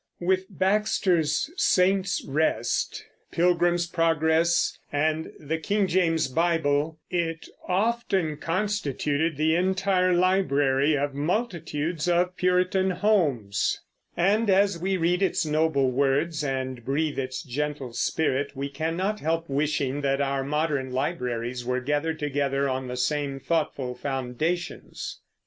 With Baxter's Saints' Rest, Pilgrim's Progress, and the King James Bible, it often constituted the entire library of multitudes of Puritan homes; and as we read its noble words and breathe its gentle spirit, we cannot help wishing that our modern libraries were gathered together on the same thoughtful foundations.